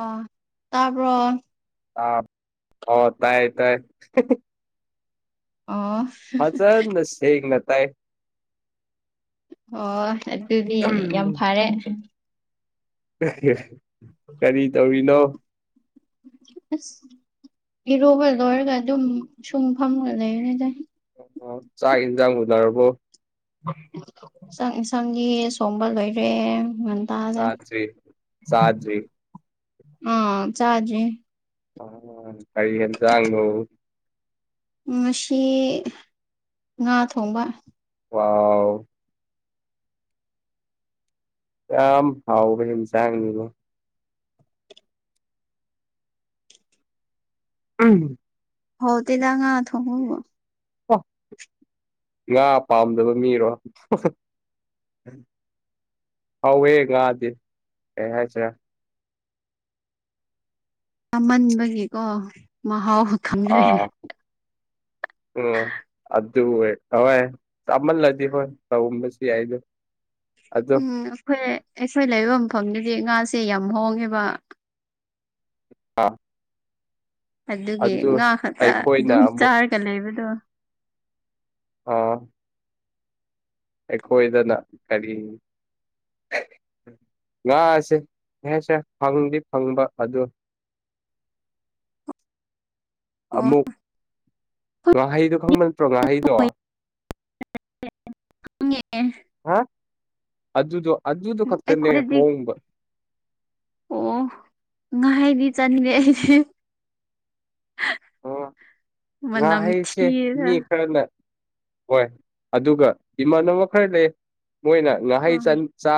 ꯑꯣ ꯇꯥꯕ꯭ꯔꯣ ꯇꯥꯞ [unintelligible] ꯑꯣ ꯇꯥꯏ ꯇꯥꯏ ꯑꯣ ꯐꯖꯅ ꯁꯦꯡꯅ ꯇꯥꯏꯌꯦ꯫ ꯑꯣ ꯑꯗꯨꯗꯤ ꯌꯥꯝ ꯐꯔꯦ꯫ ꯀꯔꯤ ꯇꯧꯔꯤꯅꯣ ꯑ꯭ꯁ ꯏꯔꯨꯕ ꯂꯣꯏꯔꯒ ꯑꯗꯨꯝ ꯁꯨꯝ ꯐꯝꯃꯒ ꯂꯩꯔꯦꯗ ꯑꯣ ꯆꯥꯛ ꯏꯟꯖꯥꯡ ꯂꯣꯏꯅꯔꯕꯣ [unintelligible] ꯆꯥꯛ ꯏꯟꯁꯥꯡꯗꯤ ꯁꯣꯝꯕ ꯂꯣꯏꯔꯦ ꯉꯟ ꯇꯥꯗꯦ ꯆꯥꯗ꯭ꯔꯤ [unintelligible] ꯆꯥꯗ꯭ꯔꯤ ꯎꯝ ꯆꯥꯗ꯭ꯔꯤ ꯑ [unintelligible] ꯀꯔꯤ ꯌꯦꯟꯖꯥꯡꯅꯣ ꯉꯁꯤ ꯉꯥ ꯊꯣꯡꯕ ꯋꯥꯎ ꯑꯥꯎ ꯌꯥꯝ ꯍꯥꯎꯕ ꯏꯟꯁꯥꯡꯅꯤꯅꯦ [unintelligible] ꯍꯧꯇꯦꯗ ꯉꯥ ꯊꯣꯡꯕꯕꯨ ꯑꯣ ꯉꯥ ꯄꯥꯝꯗꯕ ꯃꯤꯔꯣ ꯍꯥꯎꯋꯦ ꯉꯥꯗꯤ ꯀꯔꯤ ꯍꯥꯏꯁꯤꯔ ꯆꯥꯃꯟꯕꯒꯤꯀꯣ ꯃꯍꯥꯎ ꯑꯥ ꯈꯪꯗ꯭ꯔꯦ ꯎꯝ ꯑꯗꯨ ꯍꯣꯏ [unintelligible] ꯆꯥꯃꯜꯂꯗꯤ ꯍꯣꯏ ꯇꯧꯔꯝꯕꯁꯨ ꯌꯥꯏ ꯑꯗꯨ ꯎꯝ ꯑꯩꯈꯣꯏ ꯑꯩꯈꯣꯏ ꯂꯩꯕ ꯃꯐꯝꯗꯨꯗꯤ ꯉꯥꯁꯦ ꯌꯥꯝ ꯍꯣꯡꯉꯦꯕ ꯑꯥ ꯑꯗꯨꯒꯤ ꯑꯗꯨ ꯉꯥ ꯈꯛꯇ ꯑꯩꯈꯣꯏꯅ ꯑꯗꯨꯝ ꯑꯃꯨꯛ ꯆꯥꯔꯒ ꯂꯩꯕꯗꯣ ꯑꯣ ꯑꯩꯈꯣꯏꯗꯅ ꯀꯔꯤ ꯉꯥꯁꯦ ꯀꯩ ꯍꯥꯏꯁꯤꯔ ꯐꯪꯗꯤ ꯐꯪꯕ ꯑꯗꯨ ꯑꯣ ꯑꯃꯨꯛ ꯉꯥꯍꯩꯗꯣ ꯈꯪꯕ ꯅꯠꯇ꯭ꯔꯣ ꯉꯥꯍꯩꯗꯣ [unintelligible] ꯍꯥ ꯑꯗꯨꯗꯣ ꯑꯗꯨꯗꯣ ꯈꯛꯇꯅꯦ ꯑꯩꯈꯣꯏꯗꯗꯤ ꯍꯣꯡꯕ ꯑꯣ ꯉꯥꯍꯩꯗꯤ ꯆꯥꯅꯤꯡꯗꯦ ꯑꯩꯗꯤ ꯑꯣ ꯃꯅꯝ ꯉꯥꯍꯩꯁꯦ ꯊꯤꯌꯦꯗ ꯃꯤ ꯈꯔꯅ ꯍꯣꯏ ꯑꯗꯨꯒ ꯏꯃꯥꯟꯅꯕ ꯈꯔ ꯂꯩ ꯃꯣꯏꯅ ꯉꯥꯍꯩ ꯑꯥ ꯆꯟ ꯆꯥ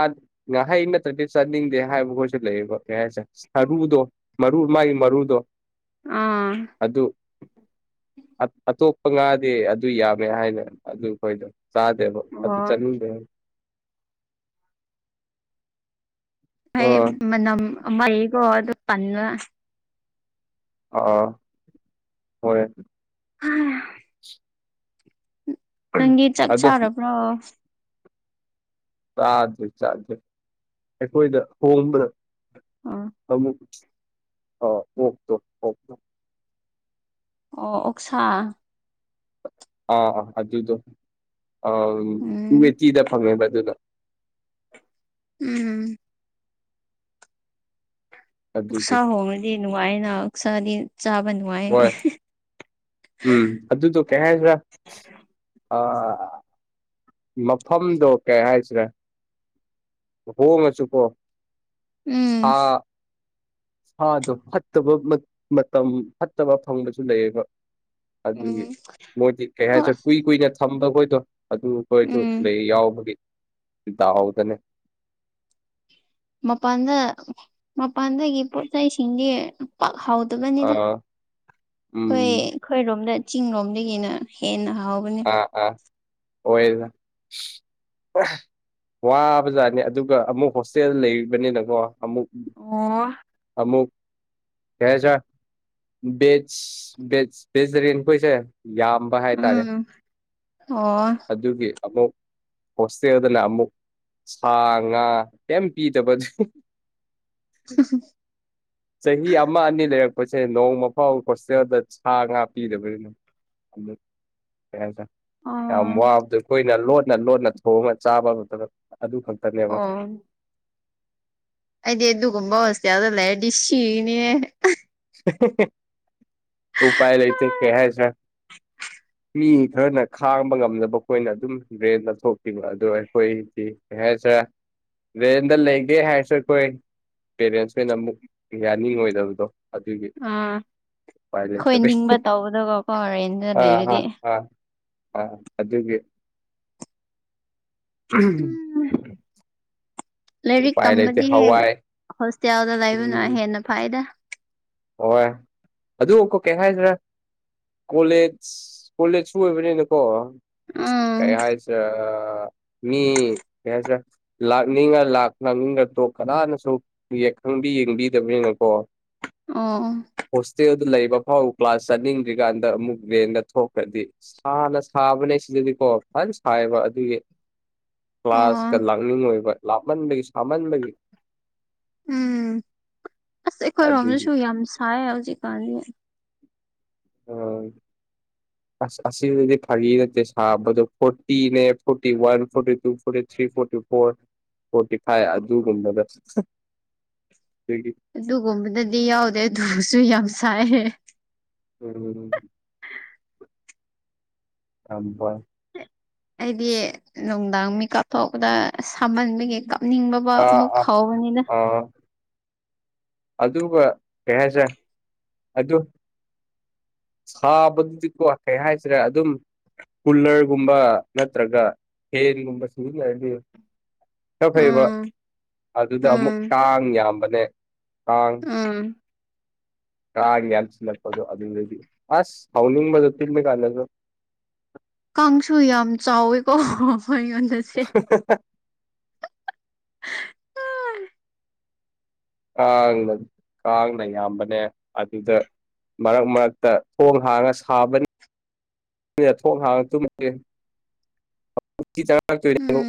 ꯉꯍꯩ ꯅꯠꯇ꯭ꯔꯗꯤ ꯆꯥꯅꯤꯡꯗꯦ ꯍꯥꯏꯕ ꯈꯣꯏꯁꯨ ꯂꯩꯍꯦꯕ ꯀꯩ ꯍꯥꯏꯁꯤꯔ ꯁꯔꯨꯗꯣ ꯃꯔꯨ ꯃꯥꯒꯤ ꯃꯔꯨꯗꯣ ꯑꯝ ꯑꯗꯨ ꯑꯇꯣꯞꯄ ꯉꯥꯗꯤ ꯑꯗꯨ ꯌꯥꯝꯃꯦ ꯍꯥꯏꯅ ꯑꯗꯨ ꯈꯣꯏꯗꯣ ꯆꯥꯗꯦꯕ ꯑꯗꯨ ꯑꯣ ꯆꯅꯤꯡꯗꯦ ꯑꯩ ꯑꯥ ꯃꯅꯝ ꯑꯃ ꯂꯩꯌꯦꯀꯣ ꯑꯗꯨ ꯇꯟꯕ ꯑꯥ ꯍꯣꯏ [unintelligible] ꯅꯪꯗꯤ ꯆꯥꯛ ꯑꯗꯣ ꯆꯥꯔꯕ꯭ꯔꯣ ꯆꯥꯗ꯭ꯔꯤ ꯆꯥꯛꯀ ꯑꯩꯈꯣꯏꯗ ꯍꯣꯡꯕꯗ ꯑꯃꯨꯛ ꯑ ꯑꯣꯛꯇꯣ ꯑꯣꯛꯇꯣ ꯑꯣ ꯑꯣꯛꯁꯥ ꯑꯥ ꯑꯥ ꯑꯗꯨꯗꯣ ꯑ ꯎꯝ ꯃꯤꯇꯤꯗ ꯐꯪꯉꯦꯕ ꯑꯗꯨꯗꯣ ꯎꯝ ꯑꯗꯨꯒꯤ ꯑꯣꯛꯁꯥ ꯍꯣꯡꯉꯗꯤ ꯅꯨꯡꯉꯥꯏꯅ ꯑꯣꯛꯁꯥꯗꯤ ꯆꯥꯕ ꯅꯨ ꯍꯣꯏ ꯎꯝ ꯑꯗꯨꯗꯨ ꯀꯩ ꯍꯥꯏꯁꯤꯔ ꯑ ꯃꯐꯝꯗꯣ ꯀꯩ ꯍꯥꯏꯁꯤꯔ ꯍꯣꯡꯉꯁꯨꯀꯣ ꯎꯝ ꯁꯥ ꯁꯥꯗꯣ ꯐꯠꯇꯕ ꯃꯇꯝ ꯐꯠꯇꯕ ꯐꯪꯕꯁꯨ ꯂꯩꯌꯦꯕ ꯑꯗꯨꯒꯤ ꯎꯝ ꯃꯣꯏꯗꯤ ꯀꯩ ꯍꯣꯏ ꯍꯥꯏꯁꯤꯔ ꯀꯨꯏ ꯀꯨꯏꯅ ꯊꯝꯕ ꯈꯣꯏꯗꯣ ꯑꯗꯨ ꯈꯣꯏꯁꯨ ꯎꯝ ꯂꯩ ꯌꯥꯎꯕꯒꯤ ꯎꯥꯎꯗꯅꯦ ꯃꯄꯥꯟꯗ ꯃꯄꯥꯟꯗꯒꯤ ꯄꯣꯠꯆꯩ ꯁꯤꯡꯗꯤ ꯄꯥꯛ ꯍꯥꯎ ꯇꯕꯅꯤꯗ ꯑꯥ ꯍꯣꯏ ꯎꯝ ꯑꯩꯈꯣꯏꯔꯣꯝꯗ ꯆꯤꯡꯔꯣꯝꯗꯒꯤꯅ ꯍꯦꯟꯅ ꯍꯥꯎꯕꯅꯤ ꯑꯥ ꯑꯥ ꯍꯣꯏꯑꯅ ꯑꯣꯏ ꯋꯥꯕꯖꯥꯠꯅꯤ ꯑꯗꯨꯒ ꯑꯃꯨꯛ ꯍꯣꯁꯇꯦꯜ ꯂꯩꯕꯅꯤꯅ ꯀꯣ ꯑꯃꯨꯛ ꯑꯣ ꯑꯃꯨꯛ ꯀꯩ ꯍꯥꯏꯁꯤꯔꯥ ꯚꯦꯖ ꯚꯦꯖ ꯚꯦꯖꯤꯇꯦꯔꯤꯌꯥꯟ ꯈꯣꯏꯁꯦ ꯌꯥꯝ ꯎꯪ ꯑꯣꯑꯣ ꯑꯗꯨꯒꯤ ꯑꯃꯨꯛ ꯍꯣꯁꯇꯦꯜꯗꯅ ꯑꯃꯨꯛ ꯁꯥ- ꯉꯥ ꯀꯩꯝ ꯄꯤꯗꯕ ꯗꯤ ꯆꯍꯤ ꯑꯃ ꯑꯅꯤ ꯂꯩꯔꯛꯄꯁꯦ ꯅꯣꯡꯃ ꯐꯥꯎ ꯍꯣꯁꯇꯦꯜꯗ ꯁꯥ-ꯉꯥ ꯄꯤꯗꯕꯅꯤꯅꯦ ꯑꯃꯨꯛ ꯀꯩ ꯍꯥꯏ ꯇꯥꯏ ꯌꯥꯝ ꯑꯣ ꯋꯥꯕꯗꯣ ꯑꯩꯈꯣꯏꯅ ꯂꯣꯠꯅ ꯂꯣꯠꯅ ꯊꯣꯡꯉꯒ ꯆꯥꯕ ꯃꯇꯝ ꯑꯗꯨ ꯈꯛꯇꯅꯦꯕ ꯑꯣ ꯑꯩꯗꯤ ꯑꯗꯨꯒꯨꯝꯕ ꯍꯣꯁꯇꯦꯜꯗ ꯂꯩꯔꯗꯤ ꯁꯤꯒꯅꯤꯍꯦ ꯎꯄꯥꯏ ꯂꯩꯇꯦ ꯀꯔꯤ ꯍꯥꯏꯁꯤꯔ ꯃꯤ ꯈꯔꯅ ꯈꯥꯡꯕ ꯉꯝꯗꯕ ꯑꯩꯈꯣꯏꯅ ꯑꯗꯨꯝ ꯚꯦꯟꯗ ꯊꯣꯛꯄꯤꯅꯦ ꯑꯗꯣ ꯑꯩꯈꯣꯏꯗꯤ ꯀꯔꯤ ꯍꯥꯏꯁꯤꯔ ꯔꯦꯟꯗ ꯂꯩꯒꯦ ꯍꯥꯏꯔꯁꯨ ꯑꯩꯈꯣꯏ ꯄꯦꯔꯦꯟꯁꯈꯩꯅ ꯑꯃꯨꯛ ꯌꯥꯅꯤꯡꯉꯣꯏꯗꯕꯗꯣ ꯑꯗꯨꯒꯤ ꯑꯥ ꯎꯄꯥꯏ ꯑꯩꯈꯣꯏ ꯂꯩꯇꯕꯩ ꯅꯤꯡꯕ ꯇꯧꯕꯗꯒꯀꯣ ꯔꯦꯟꯗ ꯑꯥ ꯍꯥ ꯂꯩꯔꯗꯤ ꯍꯥ ꯑꯥ ꯑꯗꯨꯒꯤ INAUDIBLE INAUDIBLE ꯂꯥꯏꯔꯤꯛ ꯎꯄꯥꯏ ꯂꯩꯇꯦ ꯇꯝꯕꯒꯤ ꯍꯥꯏꯅ ꯍꯋꯥꯏ ꯍꯣꯁꯇꯦꯜꯗ ꯂꯩꯕꯅ ꯎꯝ ꯍꯦꯟꯅ ꯐꯩꯗ ꯍꯣꯏ ꯑꯗꯨꯕꯨ ꯀꯣ ꯀꯩ ꯍꯥꯏꯗ꯭ꯔꯥ ꯀꯣꯂꯦꯖ ꯀꯣꯂꯦꯖ ꯁꯨ ꯑꯣꯏꯕꯅꯤꯅꯀꯣ ꯎꯝ ꯀꯩ ꯍꯥꯏꯁ ꯑꯥ ꯃꯤ ꯀꯩ ꯍꯥꯏꯇꯥꯔꯦ ꯂꯥꯛꯅꯤꯡꯉ ꯂꯥꯛ ꯂꯥꯛꯅꯤꯡꯗ ꯇꯛ ꯀꯅꯥꯅꯁꯨ ꯈꯪꯕꯤ ꯌꯦꯡꯕꯤꯗꯕꯅꯤꯅꯀꯣ ꯑꯣꯥꯑꯣ ꯍꯣꯁꯇꯦꯜꯗ ꯂꯩꯕ ꯐꯥꯎ ꯀ꯭ꯂꯥꯁ ꯆꯠꯅꯤꯡꯗ꯭ꯔꯤꯀꯥꯟꯗ ꯑꯃꯨꯛ ꯔꯦꯟꯗ ꯊꯣꯛꯈ꯭ꯔꯗꯤ ꯁꯥꯅ ꯁꯥꯕꯅꯦ ꯁꯤꯗꯗꯤꯀꯣ ꯐꯅ ꯁꯥꯏꯕ ꯑꯗꯨꯒꯤ ꯑꯣ ꯀ꯭ꯂꯥꯁꯀ ꯂꯥꯛꯅꯤꯡ ꯑꯣꯏꯕ ꯂꯥꯞꯃꯟꯕꯒꯤ ꯁꯥꯃꯟꯕꯒꯤ ꯎꯝ ꯑꯥꯁ ꯑꯗꯨꯒꯤ ꯑꯩꯈꯣꯏꯔꯣꯝꯗꯁꯨ ꯌꯥꯝ ꯁꯥꯏ ꯍꯧꯖꯤꯛꯀꯥꯟꯗꯤ INAUDIBLE ꯑꯥꯁ ꯑꯁꯤꯗꯗꯤ ꯐꯥꯒꯤ ꯅꯠꯇꯦ ꯁꯥꯕꯗꯣ ꯐꯣꯔꯇꯤꯅꯦ forty one forty two forty three forty four forty five ꯑꯗꯨꯒꯨꯝꯕꯗ ꯑꯗꯒꯤ ꯑꯗꯨꯒꯨꯝꯕꯗꯗꯤ ꯌꯥꯎꯗꯦ ꯑꯗꯨꯑꯣꯏꯔꯁꯨ ꯌꯥꯝ ꯁꯥꯏ INAUDIBLE UNINTELLIGIBLE ꯑꯩꯗꯤ ꯅꯨꯡꯗꯥꯡ ꯃꯤ ꯀꯥꯞꯊꯣꯛꯄꯗ ꯁꯥꯃꯟꯕꯒꯤ ꯀꯣ ꯅꯤꯡꯕ ꯑꯃ ꯑꯥ ꯑꯃꯨꯛ ꯑꯥ ꯐꯥꯎꯕꯅꯤꯅ ꯑꯥ ꯑꯗꯨꯒ ꯀꯩ ꯍꯥꯏꯁꯦꯔ ꯑꯗꯨ ꯁꯥꯕꯗꯨꯗꯤ ꯀꯣ ꯀꯩ ꯍꯥꯏꯁꯤꯔ ꯑꯗꯨꯝ ꯀꯨꯂꯔꯒꯨꯝꯕ ꯅꯠꯇ꯭ꯔꯒ ꯐꯦꯟꯒꯨꯝꯕ ꯁꯤꯖꯤꯟꯅꯔꯗꯤ ꯈꯔ ꯐꯩꯑꯕ ꯎꯝ ꯑꯗꯨꯗ ꯎꯝ ꯑꯃꯨꯛ ꯀꯥꯡ ꯌꯥꯝꯕꯅꯦ ꯀꯥꯡ ꯎꯪꯎꯝ ꯀꯥ ꯌꯥꯝꯁꯤꯜ ꯂꯛꯄꯗꯣ ꯑꯗꯨꯗꯤ ꯑꯁ ꯁꯥꯎꯅꯤꯡ [inaudible] ꯀꯥꯡꯁꯨ ꯌꯥꯝ ꯆꯥꯎꯋꯦꯀꯣ ꯑꯩꯉꯣꯟꯗ [inaudible] [unintelligible] ꯀꯥꯡꯅ ꯀꯥꯡꯅ ꯌꯥꯝꯕꯅꯦ ꯑꯗꯨꯗ ꯃꯔꯛ ꯃꯔꯛꯇ ꯊꯣꯡ ꯍꯥꯡꯉ ꯁꯥꯕꯅꯤ ꯊꯣꯡ ꯍꯥꯡꯉ ꯇꯨꯝꯗꯣꯏꯁꯦ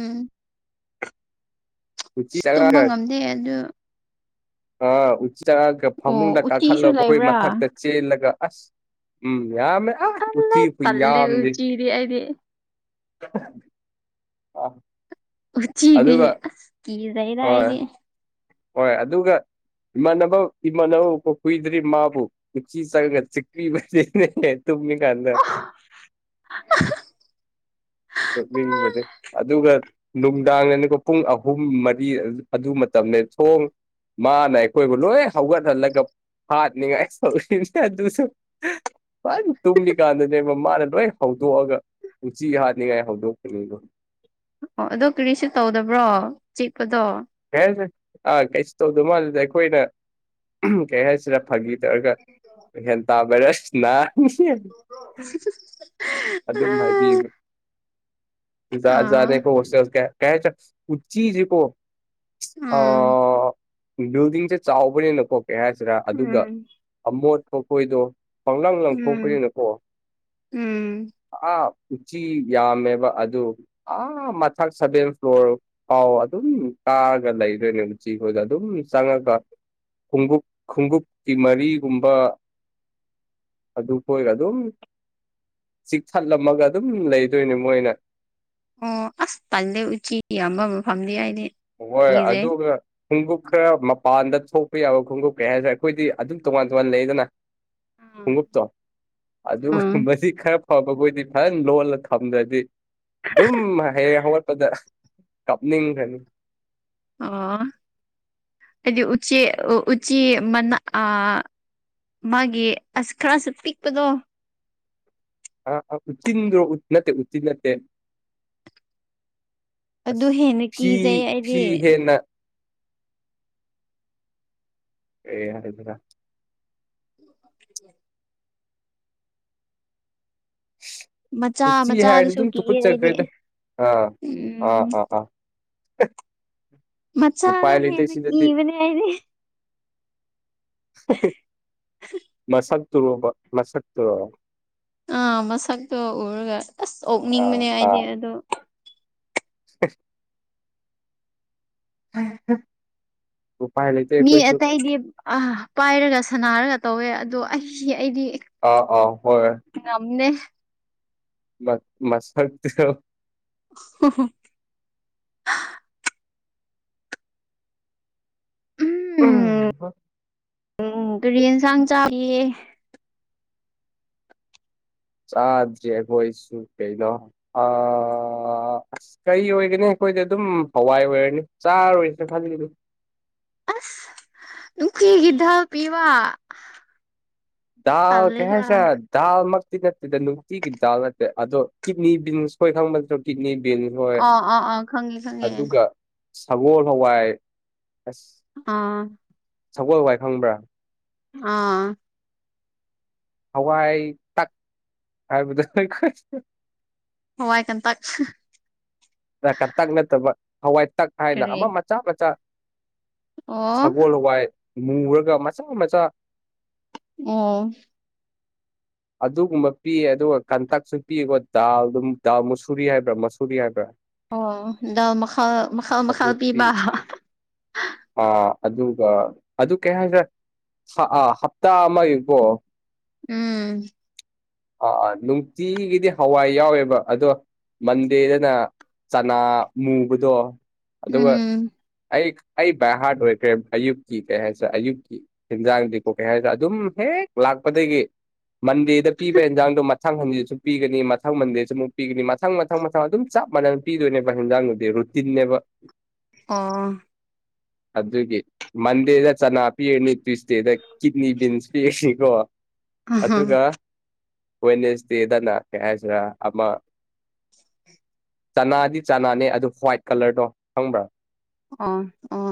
[inaudible] ꯎꯆꯤ ꯑꯁ ꯇꯨꯝꯕ ꯆꯪꯉꯛꯑꯒ ꯉꯝꯗꯦ ꯑꯗꯨ ꯑꯥ ꯎ ꯆꯪꯉꯛꯑꯒ ꯑꯣ ꯐꯃꯨꯡꯗ ꯎꯆꯤꯁꯨ ꯀꯥꯈꯠꯂꯒ ꯑꯩꯈꯣꯏ ꯂꯩꯕ꯭ꯔꯥ ꯃꯊꯛꯇ ꯆꯦꯜꯂꯒ ꯑꯁ ꯎꯝ ꯌꯥꯝꯃꯦ ꯑꯥ ꯑꯜꯂꯦ ꯎꯆꯤ ꯈꯨ ꯇꯜꯂꯦ ꯌꯥꯝꯗꯤ ꯎꯆꯤꯗꯤ ꯑꯩꯗꯤ ꯑ ꯎꯆꯤꯗꯤ ꯀꯤꯖꯩꯗ ꯍꯣꯏ ꯑꯩꯗꯤ ꯍꯣꯏ ꯑꯗꯨꯒ ꯏꯃꯥꯟꯅꯕ ꯏꯃꯥꯟꯅꯕ ꯀꯨꯏꯗ꯭ꯔꯤ ꯃꯥꯕꯨ ꯎꯆꯤ ꯆꯪꯉꯒ ꯆꯤꯛꯄꯤꯕꯅꯤꯅꯦ ꯇꯨꯝꯃꯤ ꯀꯥꯟꯗ ꯅꯣꯛꯅꯤꯡꯕꯗꯣ ꯑꯗꯨꯒ ꯅꯨꯡꯗꯥꯡꯗꯅꯤꯀꯣ ꯄꯨꯡ ꯑꯍꯨꯝ ꯃꯔꯤ ꯑꯗꯨ ꯃꯇꯝꯅꯦ ꯊꯣꯡ ꯃꯥꯅ ꯑꯩꯈꯣꯏꯕꯨ ꯂꯣꯏ ꯍꯧꯒꯠꯍꯜꯂꯒ ꯍꯥꯠꯅꯤꯡꯉꯥꯏ [inaudible] ꯑꯗꯨꯁꯨ ꯐꯖꯅ ꯇꯨꯝꯃꯤ ꯀꯥꯟꯗꯅꯦꯕ ꯃꯥꯅ ꯂꯣꯏ ꯍꯧꯗꯣꯛꯑꯒ ꯎꯆꯤ ꯍꯥꯠꯅꯤꯡꯉꯥꯏ ꯍꯧꯗꯣꯛꯄꯅꯤꯗꯣ ꯑꯣ ꯑꯗꯨ ꯀꯔꯤꯁꯨ ꯇꯧꯗꯕ꯭ꯔꯣ ꯆꯤꯛꯄꯗꯣ [inaudible] ꯑꯥ ꯀꯩꯁꯨ ꯇꯧꯗꯕ ꯃꯥꯜꯂꯤꯗ ꯑꯩꯈꯣꯏꯅ ꯀꯩ ꯍꯥꯏꯁꯤꯔ ꯐꯥꯒꯤ ꯇꯧꯔꯒ ꯑꯦꯟꯇꯥ ꯚꯥꯏꯔꯁꯅ [inaudible] ꯑꯗꯨꯝ ꯑꯥ ꯍꯥꯏꯕꯤꯕ ꯖꯥꯠ ꯖꯥꯠ ꯅꯦ ꯑꯥ ꯀꯣ ꯍꯣꯁꯇꯦꯜ ꯁꯦ [inaudible] ꯎꯆꯤꯖꯦꯀꯣ ꯎꯝ ꯑꯥ ꯕꯤꯜꯗꯤꯡꯁꯦ ꯆꯥꯎꯕꯅꯤꯅꯀꯣ ꯀꯩ ꯍꯥꯏꯁꯤꯔ ꯑꯗꯨꯒ ꯎꯝ ꯑꯃꯣꯠ ꯃꯈꯣꯏꯗꯣ ꯄꯪꯂꯪ ꯎꯝ ꯂꯪꯊꯣꯛꯄꯅꯤꯅꯀꯣ ꯎꯝ ꯑꯥ ꯎꯆꯤ ꯌꯥꯝꯃꯦꯕ ꯑꯗꯨ ꯑꯥ ꯃꯊꯛ ꯁꯚꯦꯟ ꯐ꯭ꯂꯣꯔ ꯐꯥꯎ ꯑꯗꯨꯝ ꯀꯥꯔꯒ ꯂꯩꯗꯣꯏꯅꯦ ꯎꯆꯤꯈꯣꯏꯗꯣ ꯑꯗꯨꯝ ꯆꯪꯉꯒ ꯈꯣꯡꯎꯞ ꯈꯣꯡꯎꯞꯀꯤ ꯃꯔꯤꯒꯨꯝꯕ ꯑꯗꯨꯈꯣꯏꯒ ꯑꯗꯨꯝ ꯆꯤꯛꯊꯠꯂꯝꯃꯒ ꯑꯗꯨꯝ ꯂꯩꯗꯣꯏꯅꯦ ꯃꯣꯏꯅ ꯑꯣ ꯑꯁ ꯇꯜꯂꯦ ꯎꯆꯤ ꯌꯥꯝꯕ ꯃꯐꯝꯗꯤ ꯑꯩꯗꯤ ꯍꯣꯏ ꯀꯤꯖꯩ ꯑꯗꯨꯒ ꯈꯣꯡꯎꯞ ꯈꯔ ꯃꯄꯥꯟꯗ ꯊꯣꯛꯄ ꯌꯥꯕ ꯈꯣꯡꯎꯞ ꯀꯩ ꯍꯥꯏꯁꯤꯔ ꯑꯩꯈꯣꯏꯗꯤ ꯑꯗꯨꯝ ꯇꯣꯉꯥꯟ ꯇꯣꯉꯥꯟ ꯂꯩꯗꯅ ꯈꯣꯡꯎꯞꯇꯣ ꯎꯝ ꯑꯗꯨꯒꯨꯝꯕꯗꯤ ꯈꯔ ꯐꯕ ꯈꯣꯏꯗꯤ ꯐꯖꯅ ꯂꯣꯜꯂ ꯊꯝꯗ꯭ꯔꯗꯤ ꯑꯗꯨꯝ ꯍꯌꯦꯡ ꯍꯧꯒꯠꯄꯗ ꯀꯞꯅꯤꯡꯈ꯭ꯔꯅꯤ ꯑꯣ ꯍꯑꯩꯗꯤ ꯎꯆꯤ ꯎꯆꯤ ꯃꯅꯥ ꯑꯥ ꯃꯥꯒꯤ ꯑꯁ ꯈꯔꯁꯨ ꯄꯤꯛꯄꯗꯣ ꯑ ꯎꯇꯤꯟꯔꯣ ꯅꯠꯇꯦ ꯎꯇꯤꯟ ꯅꯠꯇꯦ ꯑꯗꯨ ꯑꯁ ꯍꯦꯟꯅ ꯐꯤ ꯀꯤꯖꯩ ꯐꯤ ꯑꯩꯗꯤ ꯍꯦꯟꯅ ꯀꯩ ꯍꯥꯏꯁꯤꯔ [unintelligible] ꯃꯆꯥ ꯎꯆꯤ ꯍꯥꯏꯔꯗꯤ ꯃꯆꯥꯗꯨꯁꯨ ꯑꯗꯨꯝ ꯀꯤꯌꯦ ꯑꯩꯗꯤ ꯊꯨꯀꯠꯆꯈ꯭ꯔꯦꯗ ꯑꯥ ꯑꯥ ꯎꯝ ꯑꯥ ꯑꯥ ꯃꯆꯥꯗꯣ ꯎꯄꯥꯏ ꯂꯩꯇꯦ ꯍꯦꯟꯅ ꯁꯤꯗꯗꯤ ꯀꯤꯕꯅꯦ ꯍꯥꯏꯗꯤ ꯃꯁꯛꯇꯨꯔꯣꯕ ꯃꯁꯛꯇꯨꯔꯣ ꯑꯥ ꯃꯁꯛꯇꯣ ꯎꯔꯒ ꯑꯁ ꯑꯥ ꯑꯣꯛꯅꯤꯡꯕꯅꯦ ꯑꯩꯗꯤ ꯑꯗꯣ ꯁꯄꯁ ꯎꯝ ꯃꯤ ꯑꯇꯩꯗꯤ ꯑ ꯄꯥꯏꯔꯒ ꯁꯥꯟꯅꯔꯒ ꯇꯧꯋꯦ ꯑꯗꯣ ꯑꯩ ꯑꯩꯗꯤ ꯑꯥ ꯑꯥ ꯍꯣꯏ ꯉꯝꯅꯦ ꯃ ꯃꯁꯛꯇ‌ꯣ [unintelligible] ꯎꯝ ꯎꯝ ꯀꯔꯤ ꯏꯟꯁꯥꯡ ꯆꯥꯏꯌꯦ ꯆꯥꯗ꯭ꯔꯤ ꯑꯈꯣꯏꯁꯨ ꯀꯩꯅ‌ꯣ ꯑꯥ ꯀꯔꯤ ꯑꯣꯏꯒꯅꯤ ꯑꯩꯈꯣꯏꯗ ꯑꯗꯨꯝ ꯍꯋꯥꯏ ꯑꯣꯏꯔꯅꯤ ꯆꯥꯔꯣꯏꯁꯤꯔ ꯈꯜꯂꯤ [unintelligible] ꯑꯁ ꯅꯨꯡꯇꯤꯒꯤ ꯗꯥꯜ ꯄꯤꯕꯥ ꯗꯥꯜ ꯀꯩ ꯍꯥꯏꯁꯤꯔ ꯗꯥꯜꯃꯛꯇꯤ ꯅꯠꯇꯦꯗ ꯅꯨꯡꯇꯤꯒꯤ ꯗꯥꯜ ꯅꯠꯇꯦ ꯑꯗꯣ ꯀꯤꯠꯅꯤ ꯕꯤꯟꯁ ꯈꯣꯏ ꯈꯪꯕ ꯅꯇ꯭ꯔ‌ꯣ ꯀꯤꯠꯅꯤ ꯕꯤꯜ ꯍꯣꯏ ꯑꯣ ꯑꯣ ꯑꯣ ꯈꯪꯉꯦ ꯈꯪꯉꯦ ꯑꯗꯨꯒ ꯁꯒꯣꯜ ꯍꯋꯥꯏ ꯑꯁ ꯑꯥ ꯁꯒꯣꯜ ꯍꯋꯥꯏ ꯈꯪꯕ꯭ꯔꯥ ꯑꯥ ꯍꯋꯥꯏ ꯇꯛ ꯍꯥꯏꯕꯗꯨ [unintelligible] ꯍꯋꯥꯏ ꯀꯟ ꯇꯛ ꯑꯥ ꯀꯟꯇꯛ ꯅꯠꯇꯕ ꯍꯋꯥꯏ ꯇꯛ ꯍꯥꯏꯅ ꯀꯔꯤ ꯑꯃ ꯃꯆꯥ ꯃꯆꯥ ꯑꯣ ꯁꯒꯣꯜ ꯍꯋꯥꯏ ꯃꯨꯔꯒ ꯃꯆꯥ ꯃꯆꯥ ꯑꯣ ꯑꯗꯨꯒꯨꯝꯕ ꯄꯤꯌꯦ ꯑꯗꯨꯒ ꯀꯟꯇꯛꯁꯨ ꯄꯤꯌꯦꯀꯣ ꯗꯥꯜ ꯑꯗꯨꯝ ꯗꯥꯜ ꯃꯨꯁꯨꯔꯤ ꯍꯥꯏꯕ꯭ꯔꯥ ꯃꯁꯨꯔꯤ ꯍꯥꯏꯕ꯭ꯔꯥ ꯑꯣ ꯗꯥꯜ ꯃꯈꯜ ꯃꯈꯜ ꯃꯈꯜ ꯄꯤꯕ ꯑ ꯑꯗꯨꯒ ꯑꯗꯨ ꯀꯩ ꯍꯥꯏꯁꯤꯔꯥ ꯍ ꯑꯥ ꯍꯞꯇꯥ ꯑꯃꯒꯤꯀꯣ ꯎꯝ ꯑꯥ ꯑꯥ ꯅꯨꯡꯇꯤꯒꯤꯗꯤ ꯍꯋꯥꯏ ꯌꯥꯎꯋꯦꯕ ꯑꯗꯣ ꯃꯟꯗꯦꯗꯅ ꯆꯅꯥ ꯃꯨꯕꯗꯣ ꯑꯗꯨꯒ ꯎꯝ ꯑꯩ ꯑꯩ ꯕꯥꯏꯍꯥꯔ꯭ꯠ ꯑꯣꯏꯈ꯭ꯔꯦ ꯑꯌꯨꯛꯀꯤ ꯀꯩ ꯍꯥꯏꯁꯤꯔ ꯑꯌꯨꯛꯀꯤ ꯍꯤꯟꯖꯥꯡꯗꯤꯀꯣ ꯀꯩ ꯍꯥꯏꯖꯤꯔ ꯑꯗꯨꯝ ꯍꯦꯛ ꯂꯥꯛꯄꯗꯒꯤ ꯃꯟꯗꯦꯗ ꯄꯤꯕ ꯑꯦꯟꯖꯥꯡꯗꯣ ꯃꯊꯪ ꯁꯟꯗꯦꯁꯨ ꯄꯤꯒꯅꯤ ꯃꯊꯪ ꯃꯟꯗꯦꯁꯨ ꯃꯨꯛ ꯄꯤꯒꯅꯤ ꯃꯊꯪ ꯃꯊꯪ ꯃꯊꯪ ꯑꯗꯨꯝ ꯆꯞ ꯃꯥꯟꯅꯟ ꯄꯤꯗꯣꯏꯅꯦꯕ ꯍꯤꯟꯖꯥꯡꯗꯨꯗꯤ ꯔꯨꯇꯤꯟꯅꯦꯕ ꯑꯣ ꯑꯗꯨꯒꯤ ꯃꯟꯗꯦꯗ ꯆꯅꯥ ꯄꯤꯔꯅꯤ ꯇꯨꯏꯁꯗꯦꯗ ꯀꯤꯠꯅꯤ ꯕꯤꯟꯁ ꯄꯤꯔꯅꯤꯀꯣ ꯑꯍꯥ ꯑꯗꯨꯒ ꯋꯦꯅꯦꯁꯗꯦꯗꯅ ꯀꯩ ꯍꯥꯏꯁꯤꯔꯥ ꯑꯃ ꯆꯅꯥꯗꯤ ꯆꯅꯥꯅꯦ ꯑꯗꯨ ꯍ꯭ꯋꯥꯏꯠ ꯀꯂꯔꯗꯣ ꯈꯪꯕ꯭ꯔꯥ ꯑꯣ ꯑꯣ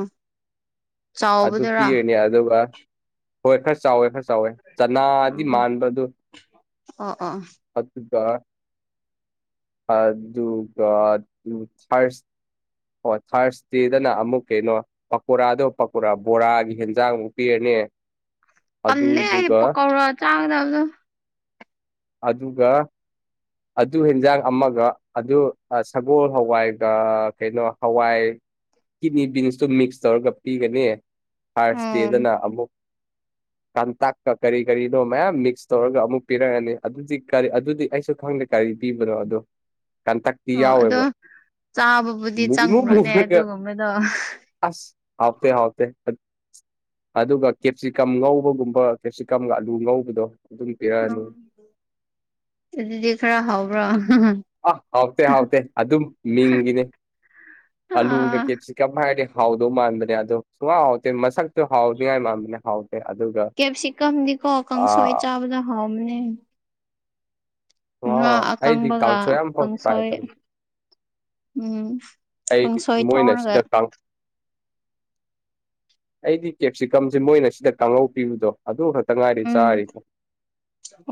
ꯑꯗꯨ ꯆꯥꯎꯕꯗꯨꯔꯥ ꯄꯤꯔꯅꯤ ꯑꯗꯨꯒ ꯍꯣꯏ ꯈꯔ ꯆꯥꯎꯋꯦ ꯈꯔ ꯆꯥꯎꯋꯦ ꯆꯅꯥꯗꯤ ꯎꯝ ꯃꯥꯟꯕ ꯑꯗꯨ ꯑꯣ ꯑꯣ ꯑꯗꯨꯒ ꯑ ꯗꯨ ꯒ ꯑꯗꯨ ꯊꯔꯁ ꯑꯣ ꯊꯥꯔꯁꯗꯦꯗꯅ ꯑꯃꯨꯛ ꯀꯩꯅꯣ ꯄꯀꯣꯔꯥꯗꯣ ꯄꯀꯣꯔꯥ ꯕꯣꯔꯥꯒꯤ ꯍꯦꯟꯖꯥꯡꯃꯨꯛ ꯄꯤꯔꯅꯤ ꯇꯟꯂꯦ ꯑꯩ ꯑꯗꯨꯗꯨꯒ ꯄꯀꯧꯔ ꯆꯥꯒꯗꯕꯗꯣ ꯑꯗꯨꯒ ꯑꯗꯨ ꯍꯦꯟꯖꯥꯡ ꯑꯃꯒ ꯑꯗꯨ ꯁꯒꯣꯜ ꯍꯋꯥꯏꯒ ꯀꯩꯅꯣ ꯍꯋꯥꯏ ꯀꯤꯠꯅꯤ ꯕꯤꯟꯁꯇꯨ ꯃꯤꯛꯁ ꯇꯧꯔꯒ ꯄꯤꯒꯅꯤ ꯎꯝ ꯊꯥꯔꯁꯗꯦꯗꯅ ꯑꯃꯨꯛ ꯀꯥꯟꯇꯛꯀ ꯀꯔꯤ ꯀꯔꯤꯅꯣ ꯃꯌꯥꯝ ꯃꯤꯛꯁ ꯇꯧꯔꯒ ꯑꯃꯨꯛ ꯄꯤꯔꯛꯑꯅꯤ ꯑꯗꯨꯗꯤ ꯀꯔꯤ ꯑꯗꯨꯗꯤ ꯑꯩꯁꯨ ꯈꯪꯗꯦ ꯀꯔꯤ ꯄꯤꯕꯅꯣ ꯑꯗꯣ ꯀꯟꯇꯛ ꯑꯣ ꯑꯗꯣ ꯆꯥꯕꯕꯨꯗꯤ ꯃꯨ ꯏꯃꯨ ꯆꯪꯕ꯭ꯔꯣꯅꯦ ꯃꯨꯔꯒ ꯑꯗꯨꯒꯨꯝꯕꯗꯣ ꯑꯁ ꯍꯥꯎꯇꯦ-ꯍꯥꯎꯇꯦ ꯑꯗꯨꯒ ꯀꯦꯞꯁꯤꯀꯝ ꯉꯧꯕꯒꯨꯝꯕ ꯀꯦꯞꯁꯤꯀꯝꯒ ꯑꯂꯨ ꯉꯧꯕꯗꯣ ꯑꯗꯨꯃ ꯄꯤꯔꯛꯑꯅꯤ ꯎꯝ ꯑꯗꯨꯗꯤ ꯈꯔ ꯍꯥꯎꯕ꯭ꯔꯣ ꯑ ꯍꯥꯎꯇꯦ-ꯍꯥꯎꯇꯦ ꯑꯗꯨꯝ ꯃꯤꯡꯒꯤꯅꯦ ꯑꯂꯨꯒ ꯑꯥ ꯀꯦꯞꯁꯤ ꯀꯝ ꯍꯥꯏꯗꯤ ꯍꯥꯎꯗꯧ ꯃꯥꯟꯕꯅꯦ ꯑꯗꯣ ꯁꯨꯛꯍꯥꯎ ꯍꯥꯎꯇꯦ ꯃꯁꯛ ꯨ ꯍꯥꯎꯗꯤꯉꯥꯏ ꯃꯥꯟꯕꯅꯦ ꯍꯥꯎꯇꯦ ꯑꯗꯨꯒ ꯀꯦꯞꯁꯤꯀꯝꯗꯤꯀꯣ ꯑ ꯀꯥꯡꯁꯣꯏ ꯆꯥꯕꯗ ꯍꯥꯎꯕꯅꯦ ꯁꯨꯡꯍꯥꯎ ꯉꯥ ꯍꯥꯎ ꯑꯩꯗꯤ ꯑꯀꯪꯕꯒ ꯀꯥꯡꯁꯣꯏ ꯑꯃꯐꯧ ꯇ꯭ꯔꯥꯏ ꯀꯥꯡꯁꯣꯏ ꯇꯧꯗꯦ ꯎꯝ ꯑꯩꯒꯤ ꯀꯥꯡꯁꯣꯏ ꯃꯣꯏꯅ ꯊꯣꯡꯔꯒ ꯁꯤꯗ ꯀꯥꯡ ꯑꯩꯗꯤ ꯀꯦꯞꯁꯤꯀꯝꯁꯦ ꯃꯣꯏꯅ ꯁꯤꯗ ꯀꯥꯡꯉꯧ ꯄꯤꯕꯗꯣ ꯑꯗꯨ ꯈꯛꯇ ꯉꯥꯏꯔꯤ ꯎꯝ ꯆꯥꯔꯤꯕ